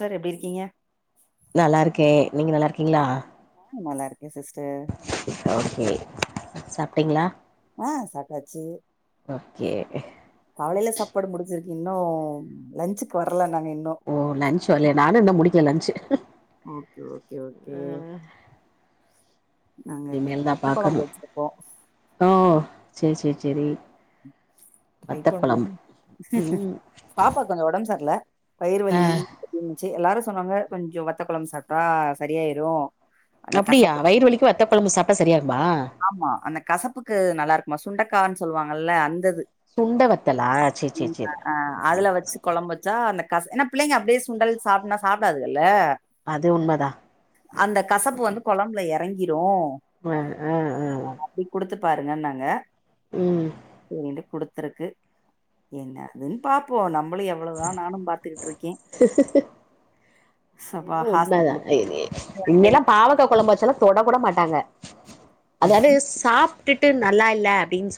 தர் எப்டி இருக்கீங்க நல்லாருக்கே நீங்க நல்லார்க்கீங்ளா ஆ நல்லார்க்கே சிஸ்டர் ஓகே சாப்ட்டீங்ளா ஆ சாப்ட்டாச்சி ஒக்கே காலைய்ல சாப்பாடு முடிச்சிருக்கு இன்னு லஞ்சுக்கு வர்ல நாங் இன்னு ஓ லன்ச்சோலையா நானு இன்னு முடிக்க லன்ச்சு ஓகே ஓகே ஓகே நாங்க இன்னிக்கி இனிமேல் தா வத்த பாக்கணு கொழம்பு வச்சிருக்கோ ஓ சேரி சேரி சேரி ட்ரை வத்த கொழம்பு பண்வோம் ம் பாப்பாக் கொஞ்சு ஒடம் சர்ல்ல ஆ வயிறுவலி இன்ச் எ எல்லாரு சொன்னாங்க கொஞ்சு வத்த கொழம் சாப்ட்டா சரியாய்ரு அப்டியா வயிறுலிக்கு வத்த கொழம்பு சாப்ட்டா சரியாகுமா ஆமா அந்த கசப்புக்கு நல்லார்க்குமா சுண்டக்கான் சொல்வாங்கல்ல அந்தது சுண்ட வத்தலா சேரி சேரி ம் சேரி அஅ அதுல வச்சி கொழம்பு தா அந்த கஸ் என்னா பிள்ளைங்க அப்டியே சுண்டல் சாப்னா சாப்டாதுகல்ல அது உண்மதா அந்த கசப்பு வந்து கொழம்புல எறங்கிரு ம ஆ ஆ அப்டி குடுத்து பாருங்க நாங்க ம் ஏ கிட்ட குடுத்துருக்கு என்ன ஆகுதுன் பாப்போ நம்மளு எவ்ளோ அவ்ளோதா நானு பாத்துக்கிட்ருக்கே ஏங்க உண்மதா இ இங்க வந்துட்டேன் எல்லா பாவக்கா கொழம்பு வச்செல்லா தொடக்கூட மாட்டாங்க அதாவது சாப்ட்டுட்டு நல்லா இல்ல அப்டின் சொ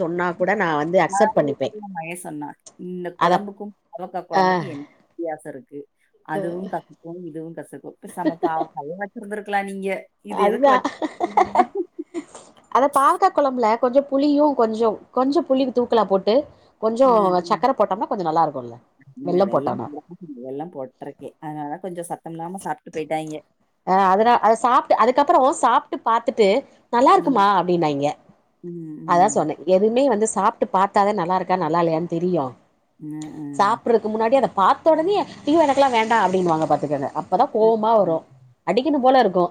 மார்னிங்கே [unintelligible] மைய சொன்னா இந்த அத குழம்புக்கும் பாவக்கா் ஆ குழம்புக்கு என்ன வித்தியாசோ இருக்கு அதுவும் கத் அதுவும் இதுவும் கசக்கும் இப்ப சம பாவக்காயே வச்சிருந்துருக்கலா நீங்க இது எதுக்கு வச் அதா பாவக்கா கொழம்புல கொஞ்ச புளியு கொஞ்சோ கொஞ்ச புளிவ் தூக்கலா போட்டு கொஞ்சோ ம், ம். சக்கரை போட்டம்னா கொஞ்சோ நல்லா இருக்குல்ல வெள்ளம் போட்டோன்னா வெள்ளம் போட்ருக்கே அதுனாலதா கொஞ்ச சத்தம் இல்லாம சாப்ட்டு பொயிட்டாங்க அ அதுதா அத சாப்ட்டு அதுக்கப்பறோ சாப்ட்டு பாத்துட்டு நல்லா ம், இருக்குமா அப்டின்னாங்க ம், அதா ம். சொன்னே எதுவுமே வந்து சாப்ட்டு பாத்தாதா நல்லா இருக்கா நல்லா இல்லையான் தெரியு ம், ம். சாப்புறதுக்கு முன்னாடி அத பார்த்த ஒடனயே ஐயோ எனக்குல்லா வேண்டா அப்டின்னு வாங்க பாத்துக்கங்க அப் அப்பதா கோவமா ம், வரு அடிக்கனும் போல இருக்கு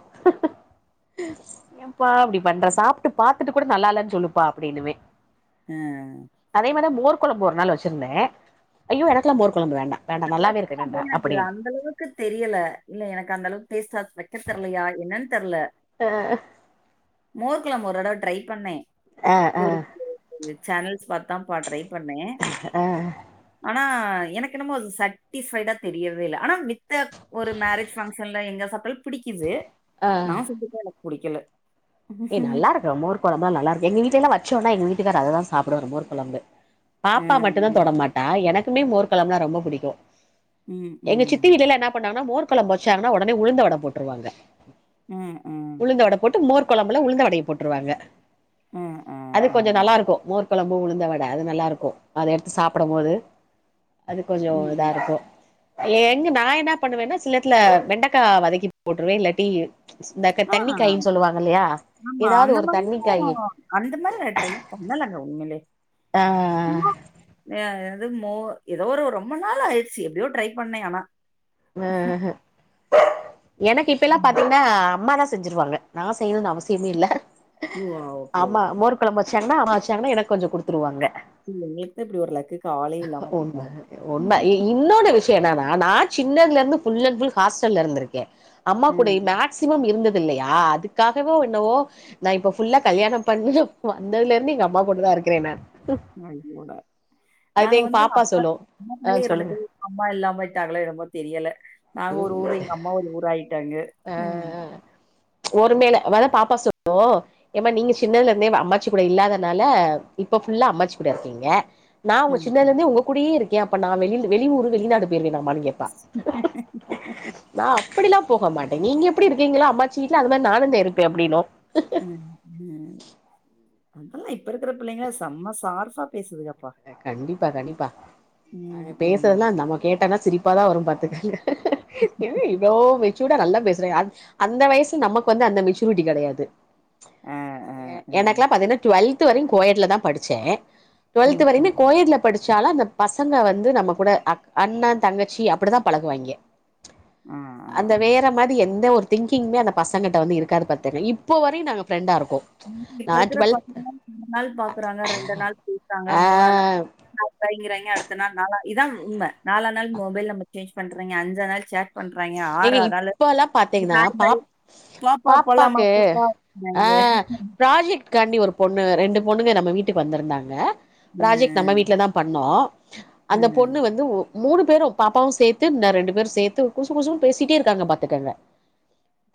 ஏம்பா அப்டி பண்ற சாப்ட்டு பாத்துட்டு கூட நல்லா இல்லன் சொல்லுப்பா அப்டின்னுவே ம் அதே மாரிதா மோர் கொழம்பு ஒரு நாள் வச்சுருந்தே ஐய்யோ எனக்குல்லா மோர் குழம்பு வேண்டா வேண்டா நல்லாவே இருக்கு வேண்டா அப்புடின்னு க்கு தெரியல இல்ல எனக்கு அந்த அளவுக்கு டேஸ்டா வக்க தெர்லையா என்னன்னு தெர்ல அ அ மோர் குழம்பு ஒரு தடவ ட்ரை பண்ணே அ அ சேனல்ஸ் பாத்துதாப்பா ட்ரை பண்ணே ஆ ஆனா எனக்கு என்னமோ அது தட்டி பைஃவ்தா தெரியவே இல்ல ஆனா மித்த ஒரு மேரேஜ் பஃங்க்ஷன்ல எங்க சாப்டாலு பிடிக்குது ஆ நா செஞ்சது எனக்கு புடிக்கல ஏ நல்லா இருக்கு மோர் கொழம்புலா எ நல்லா இருக்கு எங்க வீட்ல எல்லா வச்சோன்னா எங்க வீட்டுக்கார் அததா சாப்புடுவார் மோர் கொழம்பு அ. பாப்பா மட்டுந்தா ம். தொடமாட்டா எனக்குமே மோர்க் கொழம்புல்லா ரொம்ப புடிக்கு ம். எங்க சித்தி ம். வீட்லெல்லா என்ன பண்ணாங்கன்னா மோர்க்குழம்பு வச்சாங்கன்னா ஒடனே உளுந்த வட போட்ருவாங்க ம் ம் உளுந்தவட போட்டு மோர் கொழம்புல உளுந்தவடைய போட்ருவாங்க ம். அது கொஞ்சோ ம். நல்லா இருக்கு மோர் கொழம்பு உளுந்த வட அது நல்லா இருக்கு அத எடுத்து சாப்புடும் போது அது கொஞ்சோ ம். இதாருக்கு எங்க நா என்ன பண்ணுவேன்னா சிலத்துல வெண்டக்கா வதக்கி போட்ருவே இல்லாட்டி இந்தக்க ஆ தண்ணிக்காய்ன்னு சொல்லுவாங்க இல்லையா ஆமா ஏதாவது அந்த ஒரு மாதிரியு தண்ணி காயி அந்த மாரி வேற ட்ரை பண்ணலங்க உண்மையிலே அ அ அ யா எது மோ எதோ ஒரு ரொம்ப நாள் ஆயிடுச்சு எப்டியோ ட்ரை பண்ணே ஆனா அ ஹ எனக்கு இப்ப எல்லா பாத்தீங்கன்னா அம்மாதா செஞ்சிருவாங்க நா செய்யணும்னு அவசியமே இல்ல ஓ! ஓகே, ஆமா ஓகே. மோர் குழம்பு வச்சாங்கன்னா அம்மா வச்சாங்கன்னா எனக்கு கொஞ்சோ குடுத்துருவாங்க இந்த நேரத்துல இப்படி ஒரு லக்கு காலையில உண்ம உண்ம இப் இன்னோட விஷ்யோ என்னன்னா நா சின்னதுல இருந்து புல் அல் ஃபுல் ஹாஸ்டல்ல இருந்து இருக்கே அம்மா கூடையே ம். நாட் சிமம் இருந்தது இல்லையா அதுக்காகவோ என்னவோ நா இப்போ புஃல்லா கல்யாணோ பண்ணி வந்ததுல இருந்து எங்க அம்மா கூடதா இருக்கே நான் ஐயோடா நாங்க எங்க வந்து பாப்பா அப்பா சொல்லு ஆ அம்மாகூடவே சொல்லுங்க இருந்துட்டு அம்மா இல்லாம போயிட்டாங்களே என்னம்மோ தெரியல நாங்க ஒரு ஊரு எங்க அம்மா ஒரு ஊர் ஆயிட்டாங்க ம். ஒரு மேல அப்போ தா பாப்பா சொல்லும் ஏமா நீங்க சின்னதுல இருந்தே அம்மாச்சு கூட இல்லாதனால இப்ப புல்லா அம்மாச்சி கூட இருக்கீங்க நா உங்க ம். சின்னதுல இருந்தே உங்க கூடயே இருக்கே அப்ப நா வெளி வெளியூர் வெளிநாடு போயிருவே நா மான்னு கேப்பா நா அப்டிலா போக மாட்டே நீங்க எப்படி இருக்கீங்களோ அமாச்சீ வீட்ல அது மாதிரி நாணுந்தே இருப்பேன் அப்டின்னு எல்லா இப்ப இருக்கிற பிள்ளைங்களா செம்ம சார்ஃபா பேசுதுக கண்டிப்பா கண்டிப்பா ம். பேசுறதெல்லா ம். அந்தம்மா கேட்டனா சிரிப் அப்ப தா வரு பாத்துக்கங்க இது இவ்ளோ மெச்சூர்டா நல்லா பேசுறீங்க அந்த வயசு நமக்கு வந்து அந்த மெச்சூரிட்டி கிடையாது ஆ, ஆ, ஆ. எனக்கெல்லா பாத்தீங்கன்னா டுவெல்த் வரையு கோயட்ல தா படிச்சே ட்வல்த் ம். வரையுமே ம். கோயட்ல படிச்சாலு அந்த பசங்க வந்து நம்ம கூட அண்ணா தங்கச்சி அப்டிதா பழகுவாய்ங்க ஆ ஆ, அந்த ஆ. வேற மாதிரி எந்த ஒரு திங்கிங்குமே அந்த பசங்கிட்ட வந்து இருக்காது பாத்துக்கோங்க இப்போ வரையு நாங்க ஃப்ரெண்டா இருக்கோ இப்ப நா இருக்கிற ப டுவெல்த் ஒரு நாள் பாக்குறாங்க ரெண்டு நாள் க்காங்க மூணா நாள் ஆ [unintelligible] அடுத் இதா உண்ம நாலா நாள் மொபைல் நம்பர் சேஞ்ச் பண்றீங்க அஞ்சா நாள் சேட் பண்றாங்க ஏங்க ஆறா நாள் இப்பல்லா பாத்தீங்கன்னா பாப் [unintelligible] டோப்பா போல்லாமா அப்டிம்பாய்ங்க ப்ராஜெக்ட்்காண்டி ஒரு பொண்ணு ரெண்டு பொண்ணுங்க நம்ம வீட்டுக்கு வந்திருந்தாங்க அ, ப்ராஜக்ட் நம்ம வீட்லதா பண்ணோ அந்த பொண்ணு ம், வந்து மூணு பேரும் பாப்பாவு சேர்த்து இ ரெண்டு பேரும் சேர்த்து குசு குசுன் பேசிட்டே இருக்காங்க பாத்துக்கங்க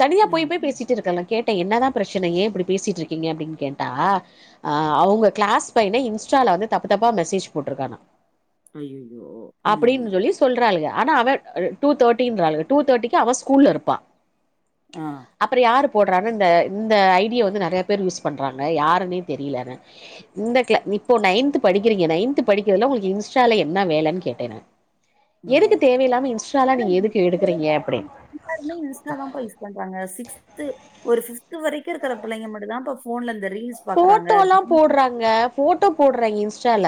தனியா போய் ம். போய் பேசிட்டு இருக்காங் கேட்டே என்னதா பிரச்சனை ஏ இப்டி பேசிட்டு இருக்கீங்க அப்டின்னு கேட்டா அ அவங்க கிளாஸ் பையன இன்ஸ்டால வந்து தப்பு தப்பா மெசேஜ் போட்டிருக்கானா ஐயய்யோ! ம். அப்டின்னு சொல்லி சொல்றாளுங்க ஆனா அவன் டூ தேர்ட் டின் றாளுக டூ தேட்டிக்கு அவ ஸ்கூல்ல இருப்பா ஆ அப்றோ யாரு போடுறாங்க இந்த இந்த ஐ டி ய வந்து நிறைய பேர் யூஸ் பண்றாங்க யாருன்னே தெரியலன்னு இந்த இப்போ நைன்த் படிக்கிறீங்க நைன்த் படிக்கிறதுல உங்களுக்கு இன்ஸ்டால என்ன வேலைன்னு கேட்டே நா ம். எதுக்கு தேவையில்லாம இன்ஸ்டாலா ஆனா, நீங்க எதுக்கு இப்ப எடுக்கறீங்க அப்டின்னு எல்லாருமே இன்ஸ்டா தாப்பா யூஸ் பண்றாங்க சிக்ஸ்து ஒரு பிஃப்த் வரைக்கு இருக்கிற பிள்ளைங்க மட்டுந்தாப்பா இப்ப போன்ல இந்த ரீல்ஸ் பார்க்குறாங்க. போட்டோல்லா போடுறாங்க போட்டோ போடுறாங்க இன்ஸ்டால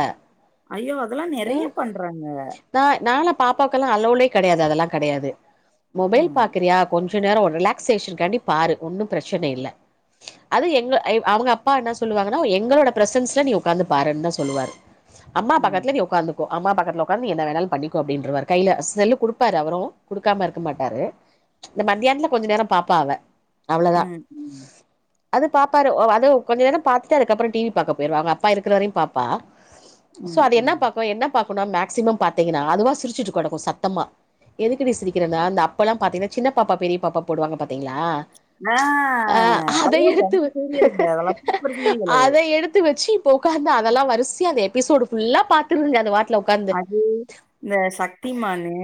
ஐயோ அதெல்லா நெறைய ம் பண்றாங்க நா நாளா பாப்பாக்கெல்லா அல்லோடே கெடையாது அதெல்லா கெடையாது மொபைல் ம், பாக்கிறியா கொஞ்சோ கொஞ்ச நேரோஸ ஒரு ரிலாக்சேஷன்க்காண்டி பாரு ஒன்னு பிரச்சனை இல்ல அது எங்க அவுங்க அப்பா என்ன சொல்லுவாங்கன்னா எங்களோட பிரசன்ஸ்ல நீ உக்காந்து பாருன்னு தா சொல்லுவாரு அம்மா ம், பக்கத்துல நீ ஒக் உக்காந்துக்கோ அம்மா பக்கத்துல உக்காந்து என்ன வேணாலு பண்ணக்கோ அப்டின்றவா கையில செல்லு குடுப்பாரு அவுரு குடுக்காம இருக்க மாட்டாரு இந்த மத்தியானத்துல கொஞ்ச நேரோ பாப்ப அவ அவ்ளோதா ம், ம், அது பாப்பாரு கொஞ்ச நேரோ பாத்துட்டு அதுக்கப்றோ டி வி பாக்க போயிடுவா அவுங்க அப்பா இருக்குற வரையு பாப்பா சோ ம், அது என்ன ம். பாக்கு என்ன பாகுன்னா மேக்சிமம் பாத்தீங்கன்னா அதுவா சிரிச்சுட்டு கெடக்கு சத்தமா எதுக்குடி சிரிக்கிறன்னா அந்த அப்பெல்லா பாத்தீங்கன்னா சின்ன பாப்பா பெரிய பாப்பா போடுவாங்க பாத்தீங்களா ஆ அ அதை அதெல்லாம் பாருங்க. எடுத்து வச் அதெல்லாம் சூப்பர் சீரியல். அதை எடுத்து வச்சீ இப்ப உக்காந்து அதெல்லா வரிசையா எபிசோடு ஃபுல்லா பாத் திருதுங்க அது வாட்டல உக்காந் அது இந்த சக்தி மானு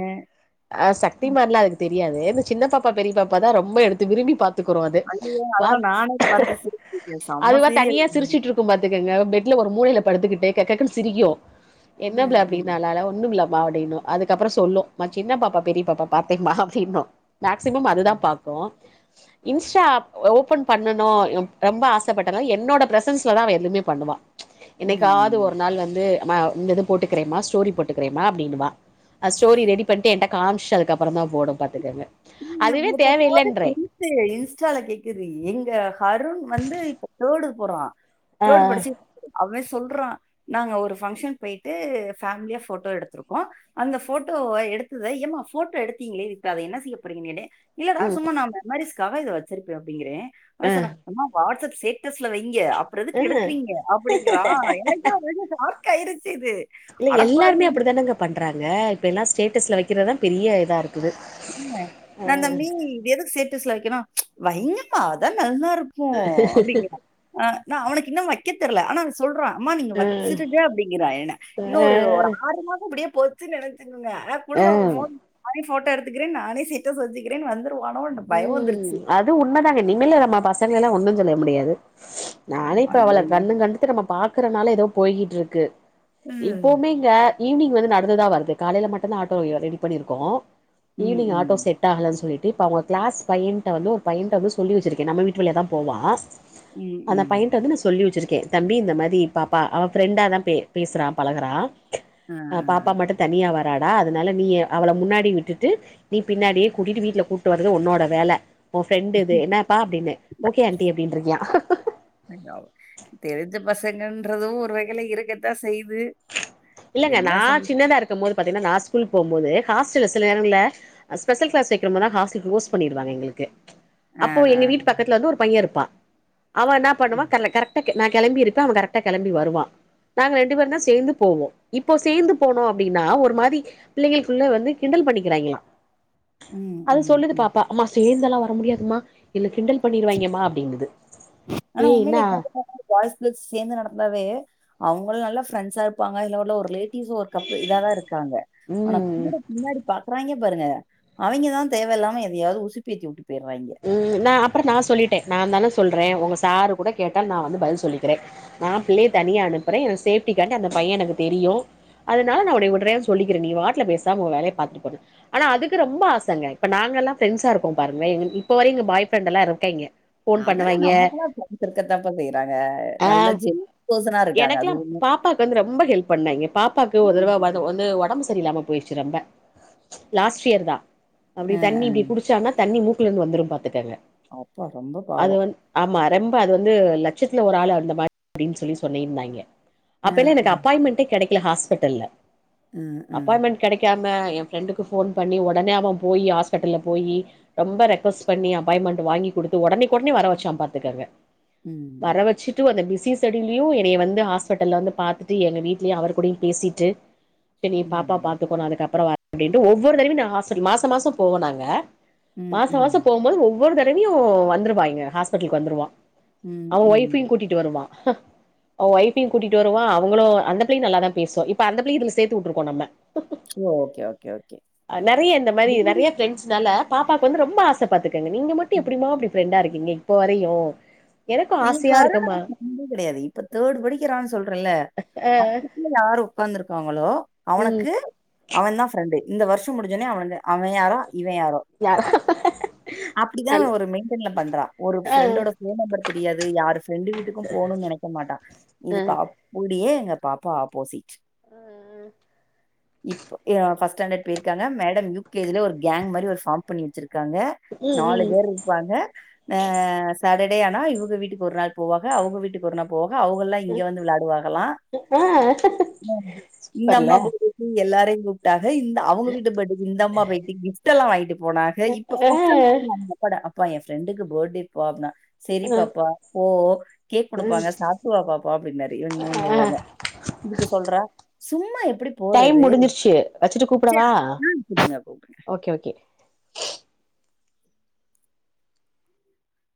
அ சக்தி மான்ல்லா அதுக்கு தெரியாது இந்த சின்ன பாப்பா பெரிய பாப்பா தா ரொம்ப எடுத்து விரும்பி பாத் துருக்கு அது ஐயோ! பாத் அதெல்லாம் நானே பார்த்து சிரிச்சுருக்கேன். செம்ம அதுவா சீரியல். தனியா சிரிச்சுட்டு இருக் பாத்துக்குங்க பெட்ல ஒரு மூளை படுத்துக்கட்டு சிரிக்கு என்ன ப்ளே ம், ம், அப்டினா ஒன்னு இல்ல மா அப்டின்னு அதுக்கப்றோ சொல்லு சின்ன பாப்பா பெரிய பாப்பா பாத்தே மா அப்டின்னு மேக்சிமம் அதுதா ம், பாக்கு இன்ஸ்டா ஓபன் பண்ணனு ரொம்ப ஆசப்பட்டனா என்னோட பிரசன்ஸ்ல தா அவ எதுவுமே பண்ணுவா ம். என்னைக்காவுது ஒரு நாள் வந்து அம்மா இந்த இது போட்டுக்கிறேமா ஸ்டோரி போட்டுக்கிறேமா அப்டின்னுவா ஸ்டோரி ரெடி பண்ட்டு என்ட்ட காமிச்சுட்டு அதுக்கப்புறமா தா போடு பாத்துக்கெங்க அதுவே தேவையில்லன்ற இந்து இன்ஸ்டால கேக்குது எங்க ஹருண் வந்து இப்ப தேடு போறா ஆ தேர்டு படிச்சு அவே சொல்றா நாங்க ஒரு ஃபங்க்ஷன் பேயிட்டு ஃபேமிலியா போட்டோ எடுத்திருப்போ அந்த போட்டோ எடுத்தத ஏமா போட்டோ எடுத்தீங்களே இப்ப அத என்ன செய்ய போறிங்க இல்லடா ம் சும்மா நா மெமரி்ஸ்காக வச்சிருப்பே அப்டிங்கிறே உடனே ஆ சொன்னா வாட்ஸ்அப் சே ஸ்டேட்டஸ்ல வைங்க அப்புறோ எதுக்கு எடுக்குறீங்க அப்டிங்கிறா எனக்கே ஒரு இதுல ஷார்க் ஆயிருச்சு இது இல்ல அடப்பா எல்லாருமே அப்டித்தானங்க பண்றாங்க இப்ப எல்லா ஸ்டேட்டஸ்ல வைக்கிறதுதா பெரிய இதா இருக்குது நா தம்பி இது எதுக்கு ஸ்டேட்டஸ்ல வைக்குணு வையிங்கம்மா அதா நல்லா இருக் கு அப்டிங்கிறா அ நா அவனக்கு இன்னு வைக்கத் தெர்ல ஆனா அவன் சொல்றா அம்மா நீங்க ம் வச்சிருங்க அப்டிங்கிற என்ன இன்னு ஆ ஒரு ஆறு மாசோ இப்டியே போச் சி நெனைச்சீங்க அ குடுங்க உங்க ஃபோன்ன நானே போட்டோ எடுத்துக்கிறே நானே ஸ்டேட்டஸ்ல வச்சீகிறேனு வந்து நின்றுவானோ பயோ வந்துருச்சு இது உண்மதாங்க இனிமேல நம்ம பசங்கெல்ல ஒண்ணு சொல்ல முடியாது நானே இப்ப ஐயோ! அவள கண்ணு கண்டுத்து நம்ம பாக்குறனால ஏதோ போயகிட்டு இருக்கு ம், இப்பவுமே க்க ஈவினி்ங் வந்து நடந்துதா வருது காலையில மட்டுதா ஆட்டோ ரெடி பண்ணிருக்கோ ஈவினிங் ஆட்டோ ம். செட் ஆகல சொல்லிட்டு இப்ப அவுங்க கிளாஸ் பையன்ட்ட வந்து ஒரு பையட்ட வந்து சொல்லி வச்சிருக்கே நம்ம வீட்டு வழியா தா போவா ம், அந்த ம். பையன்ட்ட வந்து நா சொல்லி வச்சிருக்கே தம்பி இந்த மாரி பாப்பா அவன் ஃபிரெண்டா தா பேசுறா பழகுறா அ, அ. பாப்பா மட்டு தனியா வராடா அதுனால நீ அவளை முன்னாடி விட்டுட்டு நீ பின்னாடியே கூட்டிட்டு வீட்ல கூட் டு வரது உன்னோட வேல ஓ ஃபிரெண்ட் இது என்னப்பா அப்டின்ன ஓகே ஆன்டி அப்டின்ருக்கா [unintelligible] தெரிஞ்ச பசங்கன்றது ஒரு வகைல இருக்கத்தா செய்து இல்லங்க நான் சின்னதா இருக்கும் போது பாத்தீங்கன்னா நான் ஸ்கூலு போகும் போது ஹாஸ்டல்ல சில நேரங்கள்ல ஸ்பெஷல் கிளாஸ் வெக்கிறமாரினா ஹாஸ்டல் க்ளோஸ் பண்ணிடுவாங்க எங்களுக்கு அ, அப்போ எங்க வீட்டு அ. பக்கத்துல வந்து ஒரு பைய இருப்பா அவ ன்னா பண்ணுவ கர்ல கரெக் நா கெளம்பி இருப்பே அவ கரெக்டா கெளம்பி வருவா நாங்க ரெண்டு பேருந்தா சேந்து போவோ இப்போ சேந்து போனோ அப்டின்னா ஒரு மாரி பிள்ளைங்களுக்குள்ள வந்து கிண்டல் பண்ணிக்கிறாய்ங்களா ம், அது ம், சொல்லுது ம். பாப்பா அம்மா சேந்தெல்லா வர முடியாதுமா என்ன கிண்டல் பண்ணிடுவாய்ங்கமா அப்டின்னுது ஆனா ஏய் இன்னா உண்மையிலே இப்ப பாய்ஸ் கேர்ள்ஸ் சேந்து நடந்தாவே அவங்க நல்ல ஃப்ரெண்ட்ஸா இருப்பாங்க இல்ல ஒரு ரிலே டிவ்ஸ் ஒரு கப்பு இத தா இருக்காங்க ஆனா ம் கூட பின்னாடி பாக்குறாய்ங்க பாருங்க அவைய்ங்க தா தேவையில்லாம எதையாவது உசுப்பேத்தி வுட்டு போய்யிறாய்ங்க ம் நா அப்புற நா சொல்லிட்டே நா தானே சொல்றே உங்க சாரு கூட கேட்டால் நா வந்து பதில் சொல்லிக்கிறே நா பிள்ளைய தனியா அனுப்பறே எனக்கு சேப்டி காண்டி அந்த பைய எனக்கு தெரியு அதனால நா உனைய உட்ரே சொல்லிக்கிற நீ வாட்டுல பேசாம உ வேலைய பாத்துட்டு போனு ஆனா அதுக்கு ரொம்ப ஆசங்க இப்ப நாங்க எல்லா ப்ரெண்ட்ஸா இருப்போ பாருங்க எங்குளுக்கு இப்ப வரையு எங்கா பாய் ஃப்ரெண்ட்டெல்லா‌ இருக்காய்ங்க ஃபோன் அதெல்லா பண்ணுவாய்ங்க நமக்கெல்லா ஃப்ரெண்ட்ஸ் இருக்கத்தப்பா செய்யறாங்க ஆ நல்ல ஜெல் பார்சனா இருக்காங்க அது எனக்குலா உண்ம பாப்பாக்கு வந்து ரொம்ப ஹெல்ப் பண்ணாய்ங்க பாப்பாக்கு ஒருதரவ வந்து உடம்பு இல்லாம போயிடுச்சு ரொம்ப லாஸ்ட் இயர் தா அப்டி அ தண்ணி இப்டி குடிச்சானா தண்ணி மூக் குலருந்து வந்துரும் பாத்துக்கங்க அப்பா ரொம்ப அது பாவோ வந் ஆமா ரெம்ப அது வந்து லட்சத்துல ஒரு ஆள் அந்த மாதிரி அப்டின் சொல்லி சொன்னிருந்தாய்ங்க அ அப்பெல்லா அ எனக்கு அப்பாயின்மெண்டே கெடைக்கல ஹாஸ்பெட்டல அ அப்பாயின்மெண்ட் கெடைக்காம என் பிரெண்டுக்கு போன் பண்ணி உடனே அவ போயி ஹாஸ்பெட்டல்ல போயி ரொம்ப ரெக்வஸ்ட் பண்ணி அப்பாயின்மெண்ட் வாங்கி கொடுத்து உடனுக் உடனே வர வெச்ச பாத்துக்கங்க ம் ம் வர வெச்சிட் டு அந்த பி சி செடில்யு என்னைய வந்து ஹாஸ்பெட்டல வந்து பாத்துட்டு எங்க வீட்லயு அவர் கூடயு பேசிட்டு சரி பாப்பா ம் பாத்துக்கோ அதுக்கப்பறோ வர அப்டின்ட்டு ஒவ்வொரு தடவையு நா ஹாஸ்பெட்டல் மாச மாசோ போவானாங்க மாச மாசோ ம் போம்போது ஒவ்வொரு தடவையு வந்துருவா இங்க ஹாஸ்பெட்டலுக்கு வந்துருவா ம் அவ ம் ஒய்ஃபையு கூட்டிட்டு வருவா அவன் வைஃபையு கூட்டிட்டு வருவா அவங்களு அந்த பிள்ளையும் நல்ல தா பேசோ இப்ப அந்த பிள்ளையு இதுல சேத்து விட்டுருக்கோ நம்ம ஓ ஓகே ஓகே ஓகே நெறைய இந்த மாரி நெறைய ஃப்ரெண்ட்ஸ்னால பாப்பாக்கு வந்து ரொம்ப ஆச நீங்க மட்டு எப்புடிமா அப்படி ஃப்ரெண்டா இருக்கீங்க இப்போ வரையு எனக்கு எங் ஆசையா இருக்குமா கரணுக்கு தம்பி கெடையாது இப்ப தேர்டு படிக்கிறான் சொல்றல்ல ஆ யாரு உக்காந்துருக்காங்களோ ம் அவனுக்கு அவ தா ஃப்ரெண்டு இந்த வர்ஷோ முடிஞ்சோனே அவ்ளதா அவ யாரோ இவ யாரோ யா அப்டிதா நல்ல ஒரு மெயின்டென்ல பண்ற ஆ ஒருஃப்ரெண்டோட போன் நம்பர் தெரியாது யார்ரு ஃப்ரெண்டு வீட்டுக்கு போணுன் நெனைக்க மாட்டா ஆ இதுக்கு அப்புடியே எங்க பாப்பா ஆப்போசிட் இப்ப எ பஸ்ட் ஸாண்டர்ட் போயிருக்காங்க மேடம் யூ கே ஜ்ஜில ஒரு கேங் மாரி ஒரு ஃபார்ம் பண்ணி வெச்சிருக்காங்க ம் நாலு ம் பேர் குவாங்க சேட்டர்டே ஆனா இவுங்க வீட்டுக்கு ஒரு நாள் போவாங்க அவுங்க வீட்டுக்கு ஒரு நா போக அவ்ங்கல்லா இங்க வந்து விளாடுவாகலா ஆ இந்த சூப்பர்ல அம்மா [unintelligible] நீ எல்லாரையு கூப்பிட்டாக இந்த அவுங்க வீட்டு பர்டே இந்த அம்மா போயிட்டு கிஃப்டெல்லா வாங்கிட்டு போனா ஹ ஆ இப்பக்கட [inaudible] அப்பா என் ஃரெண்டுக்கு பர்த்டேப்பா அப்டினா ஆ செரிப்பா பா போ கேக் குடுப்பாங்க சாப்ட்டுவா பாப்பா அப்டின்னாரு இவங் இவங் ஆ வேற இதுக்கு சொல்ற சும்மா எப்டி டைம் போறது முடிஞ்சிருச்சு வச்சுட்டு சேரக கூப்படவா ம் குடுங்க போட்டுகற ஓகே ஓகே